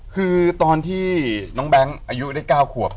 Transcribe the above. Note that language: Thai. คือตอนที่น้องแบงค์อายุได้๙ขวบ